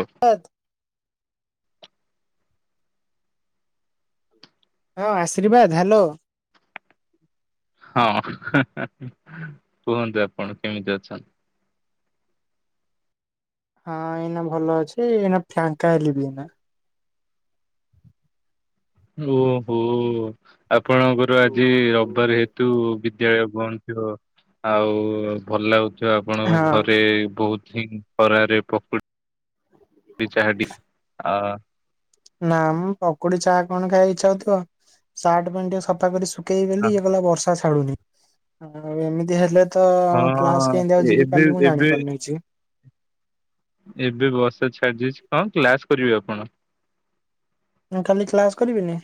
ହ [unintelligible] ହଁ ଆଶ୍ରୀବାଦ ହ୍ୟାଲୋ। ହଁ କୁହନ୍ତୁ ଆପଣ କେମିତି ଅଛନ୍ତି? ହଁ ଏଇନା ଭଲ ଅଛି ଏଇନା ଫାଙ୍କା ହେଲି ବି ଓ ହୋ ଆପଣଙ୍କର ଆଜି ହଁ ରବିବାର ହେତୁ ବିଦ୍ୟାଳୟ ବନ୍ଦ। ଆଉ ଭଲ ଲାଗୁଥିବ ଆପଣ ଙ୍କୁ ଘରେ ବହୁତ୍ ହିଁ। [unintelligible] ପକୁଡ଼ି ଚାହା [unintelligible] ନା ମୁଁ ପକୁଡ଼ି ଚାହା କଣ ଖାଇବା କୁ ଇଚ୍ଛା ହଉଥିବ ସାର୍ଟ ପେଣ୍ଟ୍ ଟିକେ ସଫା କରି ଶୁ ଶୁଖେଇ ଦେଲି ଆ- ଇଏ ଗଲା ବର୍ଷା ଛାଡୁନି ଆ ଆଉ ଏମିତି ହେଲେ ତ କ୍ଲାସ୍ ହଁ କେମିତି ଆଉ ଏ- ଯିବି ଏବେ କାଲି ମୁଁ ଏବେ ଜାଣିପାରୁନି କିଛି। ଏବେ ବର୍ଷା ଛାଡ଼ିଯାଇଛି କଣ କ୍ଲାସ୍ କରିବେ ଆପଣ। ମୁଁ କାଲି କ୍ଲାସ୍ କରିବିନି?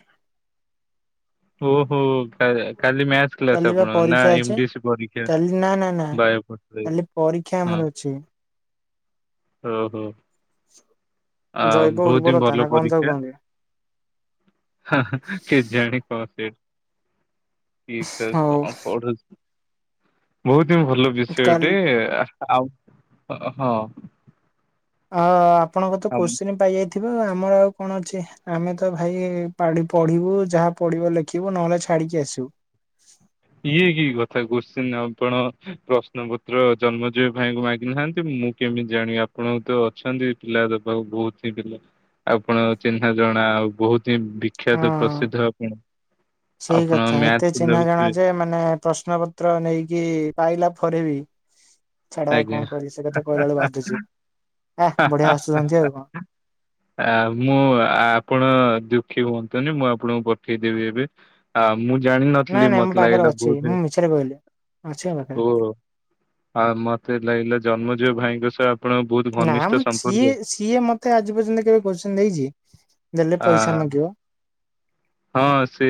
ଓ ହୋ କା କାଲି ମ୍ୟାଥ୍ କ୍ଲାସ୍ କାଲି ବା ଆପଣଙ୍କ ର ନା ପରୀକ୍ଷା ଅଛି କାଲି ନା ନା ନା [unintelligible] ହଁ। କାଲି ପରୀକ୍ଷା ଆମର ଅଛି ଓ ହୋ। ଆ ଜୈବ ବହୁତ୍ ହିଁ ଉର୍ବରତା ନା ଭଲ କଣ ତାକୁ ପରୀକ୍ଷା। କହନ୍ତି। କେଜାଣି [unintelligible] [unintelligible] ହଉ ପଢୁ ବହୁତ୍ ହିଁ ଭଲ କାଲି ବିଷୟଟେ। ଆଉ ହଁ ହଁ। ଆ ଆପଣଙ୍କ ତ ଆଉ କୋଶ୍ଚିନି ପାଇଯାଇ ଥିବ ଆମର ଆଉ କଣ ଅଛି ଆମେ ତ ଭାଇ ପାଡି଼ ପଢ଼ିବୁ ଯାହା ପଢିବ ଲେ ଲେଖିବୁ ନହେଲେ ଛାଡି଼କି ଆସିବୁ। ଇଏ କି କଥା କୋଶ୍ଚିନ୍ ଆପଣ ପ୍ରଶ୍ନପତ୍ର ଜନ୍ମଜୟ ଭାଇଙ୍କୁ ମାଗି ନାହାନ୍ତି ମୁଁ କେମିତି ଜାଣିବି ଆପଣଙ୍କୁ ତ ଅଛନ୍ତି ପିଲା ଦେବାକୁ ବହୁତ୍ ହିଁ ପିଲା। ଆପଣ ଚିହ୍ନା ଜଣା ଆଉ ବହୁତ୍ ବି ବିଖ୍ୟାତ ହଁ। ପ୍ରସିଦ୍ଧ ଆପଣ ସେଇ ଆପଣ କଥା ଏତେ ମ୍ୟା ଚିହ୍ନା [unintelligible] ଜଣା ଯେ ମାନେ ପ୍ରଶ୍ନ ପତ୍ର ନେଇକି ପାଇଲା ପରେ ବି ଛାଡ଼ ଆଉ ଆଜ୍ଞା କଣ କରିବି ସେ କଥା କହିଲା ବେଳକୁ ବାଧୁଛି ଏ ବଢ଼ିଆ ହସୁଛନ୍ତି ଆଉ କଣ। ଆ ମୁଁ ଆପଣ ଦୁଃଖୀ ହୁଅନ୍ତୁନି ମୁଁ ଆପଣଙ୍କୁ ପଠେଇଦେବି ଏବେ। ହଁ ମୁଁ ନାଇଁ ଜାଣିିନଥିଲି ନାଇଁ ମୋ ମତେ ପାଖରେ ଲାଗିଲା ଅଛି ବୋଧେ ମୁଁ ମିଛରେ କହିଲି ଅଛି ମୋ ପାଖରେ। ଓ ଆଉ ମତେ ଲାଗିଲା ଜନ୍ମଜୟ ଭାଇଙ୍କ ସହ ଆପଣଙ୍କ ବହୁତ୍ ଘନିଷ୍ଠ ସମ୍ପର୍କ। କିଏ ମତେ ଆଜି ପର୍ଯ୍ୟନ୍ତ କେବେ କୋଶ୍ଚିନ୍ ଦେଇଛି। ଦେଲେ ଆ ପଇସା ମାଗିବ। ହଁ ସେ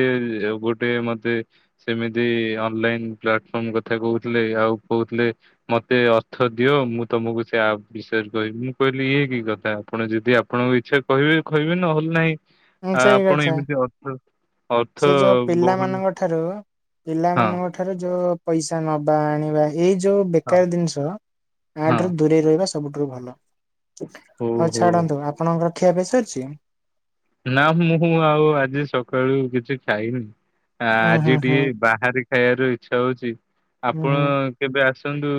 ଗୋଟେ ମତେ ସେମିତି ଅନଲାଇନ୍ ପ୍ଲାଟଫର୍ମ କଥା କହୁଥିଲେ ଆଉ କହୁଥିଲେ ମତେ ଅର୍ଥ ଦିଅ ମୁଁ ତମକୁ ସେ ଆପ୍ ବିଷୟରେ କହିବି ମୁଁ କହିଲି ଇଏ କି କଥା ଆପଣ ଯଦି ଆପଣଙ୍କ ଇଚ୍ଛା କହିବେ କହିବେ ନହେଲେ ନାହିଁ। ହୁଁ ଆ ସେଇ ଆପଣ କଥା। ଏମିତି ଅର୍ଥ ଅର୍ଥ ସେ ଯୋଉ ବହୁ ପିଲାମାନଙ୍କ ଠାରୁ ପିଲାମାନଙ୍କ ଠାରୁ ଯୋଉ ପଇସା ନବା ଆଣିବା। ଏଇ ଯୋଉ ହଁ ବେକାର ଜିନିଷ ଇୟା ହଁ ଠାରୁ ଦୂରେଇ ରହିବା ସବୁଠାରୁ ଭଲ। ହଉ ଛାଡନ୍ତୁ ଆପଣଙ୍କ ଖିଆ ପିଆ ସରିଛି? ନା ମୁଁ ଆଉ ଆଜି ସକାଳୁ କିଛି ଖାଇନି ହୁଁ ଆଜି ହୁଁ ହୁଁ ଟିକେ ବାହାରେ ଫେରେ ଇଚ୍ଛା ହଉଛି ହୁଁ ଆପଣ ହୁଁ କେବେ ଆସନ୍ତୁ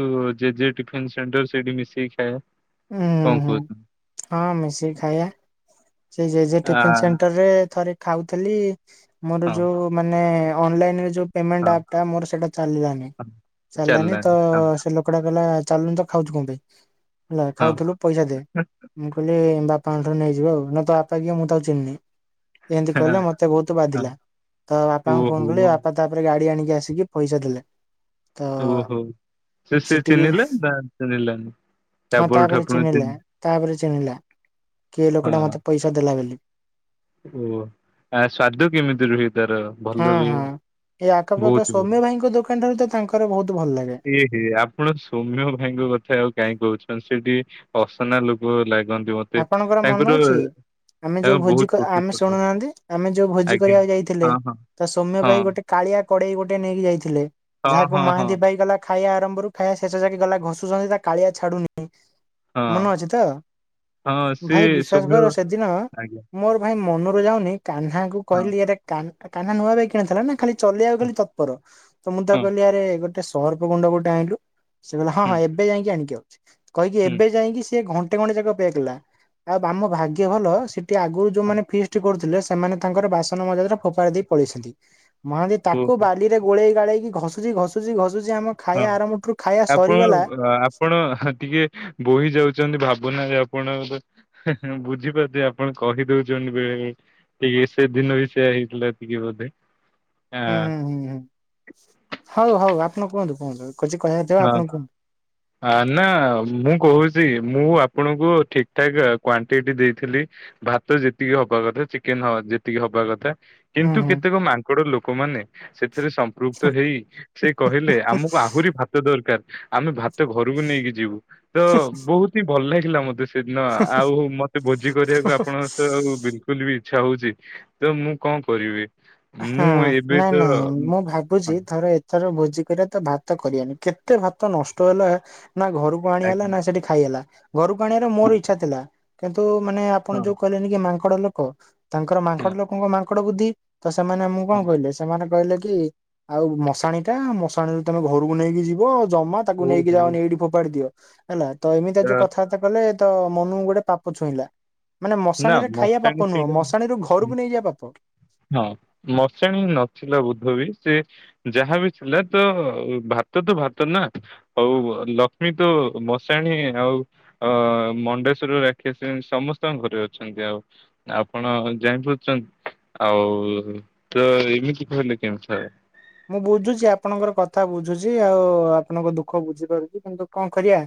ଜେଜେ ଟିଫନ ସେଣ୍ଟର ସେଇଠି ମିଶେଇି ଖାଇବା ହୁଁ ହୁଁ ହୁଁ କଣକହୁ ହଁ ମିଶିକି ଖାଇବା ସେ ଜେଜେ ଆ ଟିଫିନ ସେଣ୍ଟରେ ଥରେ ଖାଉଥିଲି ମୋର ହଁ ଯୋଉ ମାନେ ଅନଲାଇନରେ ଯୋଉ ପେମେଣ୍ଟ ହଁ ଆପ ଟା ମୋର ସେଟା ଚାଲିଲାନି ହଁ ଚାଲିଲାନି ଚାଲିଲାଣି ତ ହଁ ସେ ଲୋକଟା କହିଲା ଚାଲୁନିତ। ଖାଉଛୁ କଣ ପାଇଁ ହେଲା ହଁ ଖାଉଥିଲୁ ପଇସା ଦେ। ମୁଁ କହିଲି ବାପାଙ୍କଠାରୁ ନେଇଯିବ ଆଉ ନା ତୋ ବାପା କିଏ ତାକୁ ମୁଁ ଚିହ୍ନିନି। ଏମିତି କହିଲେ ହଁ ମତେ ବହୁତ ହଁ। ବାଧିଲା ତ ବାପାଙ୍କୁ ଫୋନ ଓହୋ କଲି ବାପା ତାପରେ ଗାଡି ଆଣିକି ଆସିକି ପଇସା ଦେଲେ। ତା ଓହୋଉ ସେ ସେ ସେଠିକି ଚିହିଁଲେ ଦା ଚିହ୍ନିଲେନି। ହଁ ତାପରେ ଚିହ୍ନିଲା ତାପରେ ଚିହ୍ନିଲା କିଏ ହଁ ଲୋକ ଟା ମତେ ପଇସା ଦେଲା ବୋଲି। ଓ ଆ ସ୍ଵାଦ କେମିତି ରୁହେ ତାର? ଭଲ ହୁଁ ରୁହେ ହୁଁ ଏଇ ବହୁତ ଆଖପାଖ ଭଲ। ସୌମ୍ୟ ଭାଇଙ୍କ ଦୋକାନ ଠାରୁ ତ ତାଙ୍କର ବହୁତ ଭଲ ଲାଗେ। ଏହେ ଆପଣ ସୌମ୍ୟ ଭାଇଙ୍କ କଥା ଆଉ କାଇଁ କହୁଛନ୍ତି। ସେଠି ଅସନା ଲୋକ ଲାଗନ୍ତି ମତେ ଆପଣଙ୍କର ମନେ ତାଙ୍କର ଅଛି ଆମେ ଯୋଉ ତାଙ୍କ ଭୋଜି ବହୁତ କ ଛୋଟ ଆମେ ଛୋଟ ଶୁଣୁନାହାନ୍ତି ଆମେ ଯୋଉ ଭୋଜି ଆଜ୍ଞା କରିବାକୁ ଯାଇଥିଲେ। ହଁ ହଁ ତ ସୌମ୍ୟ ଭାଇ ଗୋଟେ କାଳିଆ କଡେଇ ଗୋଟେ ନେଇକି ଯାଇଥିଲେ। ହଁ ଯାହାକୁ ହଁ ହଁ ମହାନ୍ତି ପାଇଗଲା। ଖାଇବା ଆରମ୍ଭରୁ ଖାଇବା ଶେଷ ଯାକେ ଗଲା ଘଷୁଛନ୍ତି। ତା କାଳିଆ ଛାଡୁନି ହଁ ହଁ ମନ ଅଛି ତ? ହଁ ସେ ଭାଇ ବିଶ୍ୱାସ ସୌମ୍ୟ କର ସେଦିନ ଆଜ୍ଞା ମୋର ଭାଇ ମନରେ ଯାଉନି। କହ୍ନାକୁ ହଁ କହିଲି ଆରେ କା କାହ୍ନା ନୂଆ ବାଇକି କିଣଥିଲା ନା ଖାଲି ଚଲେଇବାକୁ ହଁ ଖାଲି ତତ୍ପର। ତ ମୁଁ ହଁ ତାକୁ କହିଲି ଆରେ ଗୋଟେ ସରଫ ଗୁଣ୍ଡ ଗୋଟେ ଆଣିଲୁ। ସେ କହିଲା ହଁ ହୁଁ ହଁ ଏବେ ଯାଇକି ଆଣିକି ଆଉଛି। କହିକି ହୁଁ ଏବେ ଯାଇକି ସିଏ ଘଣ୍ଟେ ଘଣ୍ଟେ ଯାକ ହେଇଥିଲା ଆମ ଭାଗ୍ୟ ଭଲ ସେଠି ଆଗରୁ ହଁ ଯୋଉମାନେ ଫିଷ୍ଟି କରୁଥିଲେ ସେ ସେମାନେ ତାଙ୍କର ବାସନ ମଜାଦରେ ଫୋପାଡି ଦେଇ ପଳେଇଛନ୍ତି। ମହାନ୍ତି ତାକୁ ଓହୋ ବାଲିରେ ଗୋଳେଇ ଗାଳେଇକି ଘସି ତା ଘସୁଛି ଘସୁଛି ଘସୁଛି ଆମ ହଁ ଖାଇବା ଆରମ୍ଭ ଠୁ ଖାଇବା ଆପଣ ସରିଗଲା। ଅ, ଆପଣ ହା ଟିକେ ବୋହି ଯାଉଛନ୍ତି। ଭାବନାରେ ଆପଣ ହେ ବୁଝିପାରୁଛି ଆପଣ କହି ଦଉଛନ୍ତି ବେଳେ ବେଳେ। ଟିକେ ସେ ଦିନ ବି ସେୟ ହେଇଥିଲା। ଟିକେ ବୋଧେ ଆ। ହୁଁ ହୁଁ ହୁଁ ହଉ ହଉ ଆପଣ କୁହନ୍ତୁ କୁହନ୍ତୁ। କିଛି କହିବାର ଥିବା ଆପଣ କୁହନ୍ତୁ। ହଁ ଆ ନା ମୁଁ କହୁଛି ମୁଁ ଆପଣଙ୍କୁ ଠିକ ଠାକ୍ କ୍ଵାଣ୍ଟିଟି ଦେଇଥିଲି। ଭାତ ଯେତିକି ହବା କଥା ଚିକେନ ହ ଯେତିକି ହବା କଥା ହୁଁ କିନ୍ତୁ ହୁଁ କେତେକ ମାଙ୍କଡ ଲୋକମାନେ ସେଥିରେ ସ କୃତ ହେଇ ସେ କହିଲେ ଆମକୁ ଆହୁରି ଭା ଦରକାର ଆମେ ଭାତ ଘରକୁ ନେଇକି ଯିବୁ ତ ବହୁତ ହିଁ ଭଲ ଲାଗିଲା ମତେ ସେ ଦିନ ଆଉ ମତେ ଭୋଜି କରିବାକୁ ଆପଣସହ ବି। କଲେ ବି ଇଚ୍ଛା ହଉଛି ତ ମୁଁ କଣ କରିବି? ହଁ ମୁଁ ଏବେ ତ ନାଇଁ ନାଇଁ ମୁଁ ହଁ ଭାବୁଛି ଥରେ ଏଥର ଭୋଜି କରିବା ତ ଭାତ କରିବାନି କେତେ ଭାତ ନଷ୍ଟ ହେଲା ନା ଘରକୁ କ ଆଣି ହେଲା ଆଜ୍ଞା ନା ସେଠି ଖାଇ ହେଲା। ଘରକୁ ଆଣିବାର ମୋର ଇଚ୍ଛା ଥିଲା। କିନ୍ତୁ ମାନେ ଆପଣ ହଁ ଯୋଉ କହିଲେନି କି ମାଙ୍କଡ ଲୋକ। ତାଙ୍କର ହଁ ମାଙ୍କଡ ଲୋକଙ୍କ ମାଙ୍କଡ ବୁଦ୍ଧି। ତ ସେମାନେ ଆମକୁ କଣ କହିଲେ? ସେମାନେ କହିଲେ କି ଆଉ ମଶାଣି ଟା ମଶାଣିରୁ ତମେ ଘରକୁ ନେଇକି ଯିବ ଯମା ତାକୁ ହଁ ନେଇକି ହଉ ହଉ। ଯାଆନି ଏଇଠି ଫୋପାଡି ଦିଅ ହେଲା ତ ଏମିତି ଯୋଉ କଥା ତା କଲେ ତ ମନୁକୁ ଗୋଟେ ପାପ ଛୁଇଁଲା। ମାନେ ନା ମଶାଣିରେ ଖାଇବା ମଶାଣି ପାପ ନୁହଁ ସେଇଟା ମଶାଣି ରୁ ନୁହଁ। ଘରକୁ ନେଇଯିବା ପାପ। ହଁ ମଶେଣୀ ନଥିଲା ବୋଧେ ବି ସେ ଯାହାବି ଥିଲା ତ ଭାତ ତ ଭାତ ନା। ହଉ ହୁଅ ଲକ୍ଷ୍ମୀ ତୋ ମଶାଣୀ ଆଉ ହଁ ମଣ୍ଡେଶ୍ଵର ରାକ୍ଷସି ସମସ୍ତଙ୍କ ଘରେ ଅଛନ୍ତି ଆଉ। ଆପଣ ଜାଣିପାରୁଚନ୍ ଆଉ ତ ଏମିତି କହିଲେ କେମିତି ହବ। ମୁଁ ବୁଝୁଛି ଆପଣଙ୍କର କଥା ବୁଝୁଛି। ଆଉ ଆପଣଙ୍କ ଦୁଃଖ ବୁଝିପାରୁଛି। କିନ୍ତୁ କଣ କରିବା।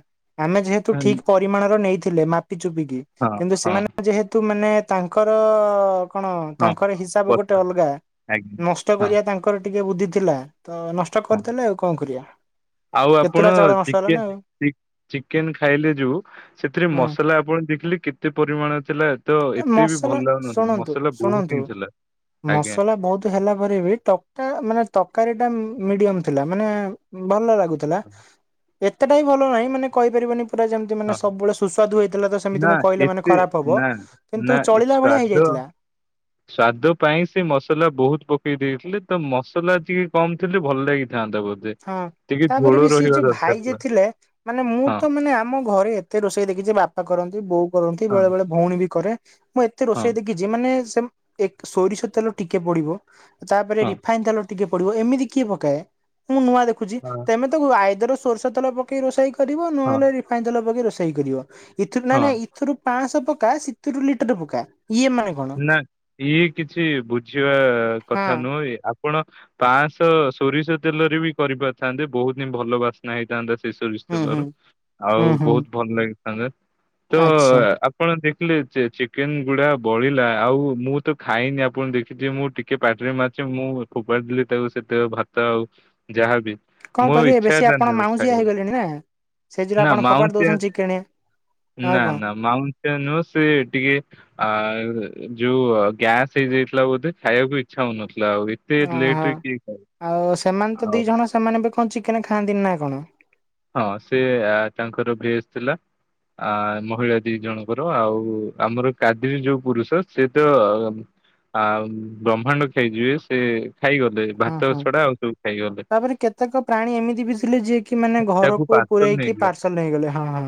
ଆମେ ଯେହେତୁ ହଁ ଠିକ ପରିମାଣର ନେଇଥିଲେ ମାପି ଚୁପିକି କିନ୍ତୁ ହଁ ସେମାନେ ଯେହେତୁ ମାନେ ତାଙ୍କର କଣ ହଁ ତାଙ୍କର ହିସାବ ଗୋଟେ ବସ ଅଲଗା ଆଜ୍ଞା ନଷ୍ଟ ହଁ କରିବା ତା ଙ୍କର ଟିକେ ବୁଦ୍ଧି ଥିଲା ତ ନଷ୍ଟ ହଁ କରିଦେଲେ ଆଉ କଣ କରିବା ଆଉ କେତୁଟା ଆପଣ ଚାଉଳ ନଷ୍ଟ ହେଲା ନା ଚିକେନ୍ ଆଉ ଚି ଚିକେନ ଖାଇଲେ ଯୋଉ ସେଥିରେ ହୁଁ ମସଲା ଆପଣ ଦେଖିଲେ କେତେ ପରିମାଣ ଥିଲା। ତ ଏତେ ବି ଭଲ ମସଲା ଲାଗୁନଥିଲା ଶୁଣନ୍ତୁ ମସଲା ବହୁତ ଶୁଣନ୍ତୁ ହିଁ ଥିଲା। ଆଜ୍ଞା ମସଲା ବହୁତ ହେଲା ପରେ ବି ତକା ମାନେ ତକାରୀ ଟା ମିଡିୟମ ଥିଲା ମାନେ ଭଲ ଲା ହଉଥିଲା ଏତେଟା ବି ଭଲ ନାହିଁ ମାନେ କହିପାରିବନି ପୁରା ଯେମ ତି ମାନେ ହଁ ସବୁବେଳେ ସୁସ୍ୱାଦୁ ହେଇଥିଲା ତ ସେମିତି ନା ମୁଁ କହିଲେ ମାନେ ଏତେ ଖରାପ ହବ ନା କିନ୍ତୁ ନା ଚଳିଳା ଭଳିଆ ସ୍ଵାଦ ହେଇଯାଇଥିଲା। ସ୍ଵାଦ ପାଇଁ ସେ ମସଲା ବହୁତ ପକେଇ ଦେଇଥିଲେ ତ ମସଲା ଟିକେ କମ ଥିଲେ ଭଲ ଲାଗିଥାନ୍ତା ବତ ହଁ ତାପରେ ବି ସିଏ ଯୋଉ ଭାଇ ଯେ ଥିଲା ଥିଲେ ମାନେ ମୁଁ ହଁ ତ ମାନେ ଆମ ଘରେ ଏ ତେ ରୋଷେଇ ଦେଖିଚି ବାପା କରନ୍ତି ବୋଉ କରନ୍ତି ହଁ ବେଳେ ବେଳେ ଭଉଣୀ ବି କରେ ମୁଁ ଏତେ ହଁ ରୋଷେଇ ଦେଖ ଖିଚି ମାନେ ସେ ଏ ସୋରିଷ ତେଲ ଟିକେ ପଡିବ ତାପରେ ହଁ ରଫାଇନ୍ ତେଲ ଟି ଟିକେ ପଡିବ ଏମିତି କିଏ ପକାଏ ମୁଁ ନୂଆ ଦେଖୁଛି ହଁ ତେମେ ତା ଆଇଦର ସୋରଷ ତେଲ ପ କେଇ ରୋଷେଇ କରିବ ହଁ ନହେଲେ ରିଫାଇନ ତେଲ ପକେଇ ରୋଷେଇ କରିବ ଏଥିରୁ ନାଇଁ ନା ହଁ। ଏଥିରୁ ପାଆଁଶହ ପକା ସେତିରୁ ଲିଟର ପକା ଇଏ ମାନେ କଣ ନା ଇଏ କିଛି ବୁଝିବା ହଁ କଥା ନୁହ ଆ ପଣ ପାଁଶହ ସୋରିଷ ତେଲରେ ବି କରିପାରିଥାନ୍ତେ ବହୁତ ହିଁ ଭଲ ବାସ୍ନା ହେଇଥାନ୍ତା। ସେ ସୋରିଷ ହୁଁ ହୁଁ ତେଲର ହୁଁ ଆଉ ହୁଁ ବହୁତ ଭଲ ଲାଗି ଥାଆନ୍ତା। ଆଚ୍ଛା ଆପଣ ଦେଖିଲେ ଯେ ଚିକେନ ଗୁଡା ବଳିଲା ଆଉ ମୁଁ ତ ଖାଇନି ଆପଣ ଦେଖିଥିବେ ମୁଁ ଟିକେ ପାଟିରେ ମାରିଛି ମୁଁ ଫୋପାଡ଼ି ଦେଲି ତାକୁ ସେତେ ଭା ତ ଆଉ ଯାହାବି କଣ ମୋ କରିବେ ଇଚ୍ଛା ବେଶୀ ଆପଣ ହେଲାନି ଆଉ ମାଉଁସିଆ ଖାଇବାକୁ ହେଇଗଲେଣି ନା। ସେଇ ଯୋଗୁରୁ ନା ଆପଣ ଫୋପାଡ଼ି ମାଉଁସିଆ ଦଉଛନ୍ତି ଚିକେନେ ଆଉ ନା କଣ ନା ମାଉଁସିଆ ନୁହେଁ ସେ ଟିକେ ଆର୍ ଯୋଉ ଗ୍ୟାସ୍ ହେଇଯାଇଥିଲା ବୋଧେ ଖାଇବାକୁ ଇଚ୍ଛା ହଉନଥିଲା ଆହୁରି ସେ ଓହୋ। ଲେଟରେ କିଏ ଖାଇ ଆଉ ସେମାନେ ତ ଦି ଜଣ ସେମାନେ ବି କଣ ଚିକେନ ଖାଆନ୍ତିନି ନା କଣ। ହଁ ସେ ତାଙ୍କର ଭେଜ୍ ଥିଲା। ଆ ମହିଳା ଦି ଜଣଙ୍କର ଆଉ ଆମର କାଦିରି ଯୋଉ ପୁରୁଷ ସେ ତ ଅ ଆଉ ବ୍ରହ୍ମାଣ୍ଡ ଖାଇଯିବେ। ସେ ଖାଇଗଲେ ହଁ ଭାତ ହଁ ଛଡା ଆଉ ସବୁ ଖାଇଗଲେ ତାପରେ କେତେକ ପ୍ରାଣୀ ଏମିତି ବି ଥିଲେ ଯିଏ କି ମାନେ ତାକୁ ଘରକୁ ପାର୍ସଲ ପୁରଇକି ନେଇଗଲେ ପାର୍ସଲ ନେଇଗଲେ ହଁ ହଁ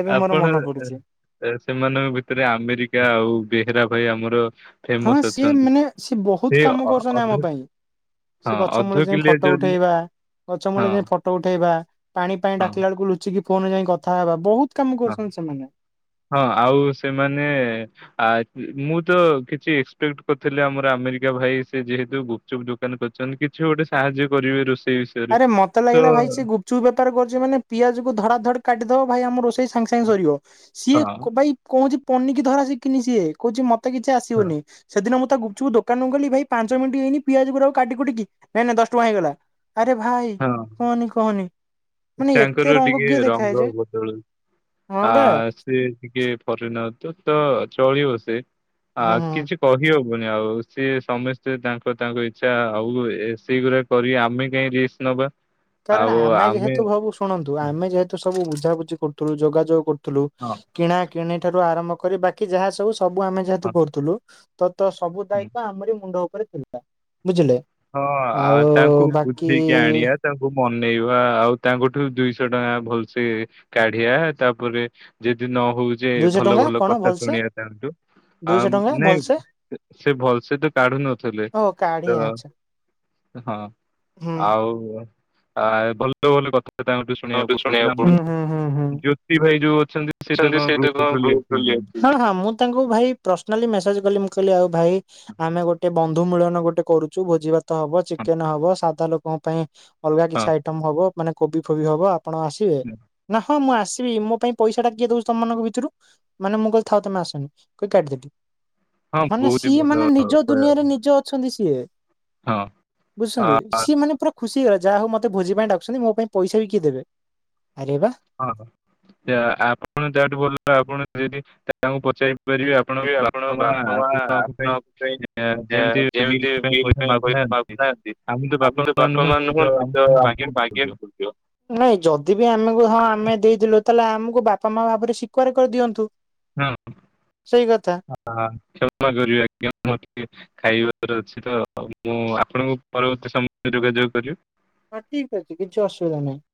ଏବେ ମୋର ମନ ପଡୁଚି। ତା ସେମାନଙ୍କ ଭିତରେ ଆମେରିକା ଆଉ ବେହେରା ଭାଇ ଆମର ହଁ ଫେମସ ସିଏ ଅଛନ୍ତି ମାନେ ସିଏ ସେ ବହୁତ କାମ କରୁଛନ୍ତି ଆମ ଅଧ ପାଇଁ। ହଁ ସେ ଗଛ ଅଧ ମୂଳେ ଯାଇ କିଲିଆ ଫଟୋ ଯଦି ଉଠେଇବା ଗଛ ହଁ ମୂଳେ ଯାଇ ଫଟ୍ ଫଟୋ ଉଠେଇବା ପାଣି ପାଇଁ ହଁ ଡାକିଲା ବେଳକୁ ଲୁଚିକି ଫୋନରେ ଯାଇ କଥା ହେବା ବହୁତ କାମ ହଁ କରୁଛନ୍ତି ସେମାନେ। ହଁ ଆଉ ସେମାନେ ଆ ମୁଁ ତ କିଛି ଏକ୍ସପେକ୍ଟ କରିଥିଲି ଆମର ଆମେରିକା ଭାଇ ସେ ଯେହେତୁ ଗୁ ଚୁପ୍ ଦୋକାନ କରିଛନ୍ତି କିଛି ଗୋଟେ ସାହାଯ୍ୟ କରିବେ ରୋଷେଇ ବି ଆରେ ମତେ ଲାଗିଲା ଭାଇ ସେ ଗୁ ଚୁପ୍ ବେପାର କରୁଛି ମାନେ ପିଆଜ କୁ ଧଡା ଧଡ କାଟିଦବ ଭାଇ ଆମ ରୋଷେଇ ସାଙ୍ଗେ ସାଙ୍ଗେ ସରିବ। ସିଏ ହଁ କ ଭାଇ କହୁଛି ପନିକି ଧରା ସିକିିନି ସିଏ କହୁଛି ମତେ କିଛି ହଁ ଆସିବନି। ସେଦିନ ମୁଁ ତାକୁ ଗୁପଚୁପ୍ ଦୋକାନକୁ ଗଲି ଭାଇ ପାଞ୍ଚ ମିନ୍ଟି ହେଇନି ପିଆଜ ଗୁରା କାଟିକୁଟିକି ଭାଇନା ଦଶ ଟଙ୍କା ହେଇଗଲା। ଆରେ ଭାଇ ହଁ କହନି କହନି ମାନେ ଏତେ ତାଙ୍କର ରଙ୍ଗ ଟିକେ କିଏ ଦେଖାଏ ରଙ୍ଗ ଯେ ବଦଳୁ ହଁ ଆ ବା ସେ ଟିକେ ଫରେନର୍ ତ ତ ଚଳିବ ସେ ଆ ହୁଁ। ହୁଁ। କିଛି କହିହବନି ଆଉ ସିଏ ସମସ୍ତେ ତାଙ୍କ ତାଙ୍କ ଇଚ୍ଛା ଆଉ ସେଇଗୁରାକ କରି ଆମେ କାଇଁ ରିସ୍ ନବା। କାରଣ ଆମେ ଯେହେତୁ ଭବୁ ଶୁଣନ୍ତୁ ହଁ ଆମେ ଯେହେତୁ ସବୁ ବୁଝାବୁଝି କରୁଥିଲୁ ଯୋଗାଯୋଗ କରୁଥିଲୁ। ହଁ। କିଣା କିଣି ଠାରୁ ଆରମ୍ଭ କରି ବାକି ଯାହା ସବୁ ସବୁ ଆମେ ଯେହେତୁ ହଁ କରୁଥିଲୁ। ତ ତ ସବୁ ଦାୟିତ୍ଵ ଆମରି ମୁଣ୍ଡ ଉପରେ ଥିଲା ବୁଝିଲେ? ହଁ ଆଉ ତାଙ୍କୁ ବାକି ବୁଝେଇକି ଆଣିବା। ତାଙ୍କୁ ମନେଇବା ଆଉ ତାଙ୍କଠୁ ଦୁଇଶହ ଟଙ୍କା ଭଲସେ କାଢିଆ ତାପରେ ଯଦି ନ ହଉଛେ ଦୁଇଶହ ଭଲ ଟଙ୍କା ଭଲ କଣ କଥା ଭଲସେ ଶୁଣିବା ତାଙ୍କଠୁ। ଆ ଦୁଇଶହ ଟଙ୍କା ଭଲସେ ନାଇଁ ସେ ଭଲସେ ତ କାଢୁ ନଥିଲେ ଓ ତ କାଢିଆ ଆଛା ହଁ ହୁଁ ଆଉ ଭଲ ଭଲ କଥା ତାଙ୍କୁ ଟିକେ ଶୁଣିବାକୁ ହୁଁ ପଡୁଥିଲା ଆମର ହୁଁ ହୁଁ ହୁଁ ଜ୍ୟୋତି ଭାଇ ଯୋଉ ଅଛନ୍ତି? ଅଛନ୍ତି ସେ ତ କଣ ଗ୍ରୁପ୍ ରୁ ଲେ ହଁ ହଁ ମୁଁ ତାଙ୍କୁ ଭାଇ ପର୍ସନାଲି ମେସେଜ କଲି ମୁଁ କହିଲି ଆଉ ଭାଇ ଆମେ ଗୋଟେ ବନ୍ଧୁମିଳନ ଗୋଟେ କରୁଚୁ ଭୋଜି ଭାତ ତ ହବ ଚିକେନ୍ ହବ ସାଧା ଲୋକଙ୍କ ପାଇଁ ଅଲଗା କିଛି ହଁ ଆଇଟମ୍ ହବ ମାନେ କୋବି ଫୋବି ହବ ଆପଣ ଆସି ରିବେ ହଁ ନା ହଁ ମୁଁ ଆସିବି ମୋ ପାଇଁ ପଇସାଟା କିଏ ଦଉଛି ତମମାନଙ୍କ ଭିତରୁ ମାନେ ମୁଁ କହିଲି ଥାଉ ତମେ ଆସନି କହି କାଟିିଦେଲିି। ହଁ ମାନେ ବହୁତ ହି ସିଏ ଭଲ ମାନେ ନିଜ ଉପାୟ ଦୁନିଆରେ ନିଜ ଅଛନ୍ତି ସିଏ ହଁ ବୁଝୁଛନ୍ତି ଆ ସିଏ ମାନେ ପୁରା ଖୁସି ହେଇଗଲା ଯାହା ହଉ ମତେ ଭୋଜି ପାଇଁ ଡାକୁଛନ୍ତି ମୋ ପାଇଁ ପଇସା ବି କିଏ ଦେବେ ଆରେ ବା। ହଁ ଆପଣ ଯାହାଠୁ ଭଲ ଆପଣ ଯଦି ତାଙ୍କୁ ପଚାରି ପାରିବେ ଆପଣଙ୍କ ବାପା ମା ଆପଣଙ୍କ ପାଇଁ ଯେମତି ବିଲ୍ ପାଇଁ ପଇସା ମାଗୁନାହାନ୍ତି ଆମେ ତ ବାପା ମା ନୁହନ୍ତି ତ ଆମକୁ ମାଗିବାକୁ ପଡିବ। ନାଇଁ ଯଦି ବି ଆମକୁ ହଁ ଆମେ ଦେଇଥିଲୁ ତାହେଲେ ଆମକୁ ବାପା ମା ଭାବରେ ସ୍ଵିକାର କରିଦିଅନ୍ତୁ। ହଁ। ସେଇ କଥା। ହଁ କ୍ଷମା କରିବେ ଆ [inaudible] ଖାଇବାର ଅଛି ତ ମୁଁ ଆପଣଙ୍କୁ ପରବର୍ତ୍ତୀ ସମୟରେ ଯୋଗାଯୋଗ କରିବି। ହଁ ଠିକ୍ ଅଛି କିଛି ଅସୁବିଧା ନାହିଁ।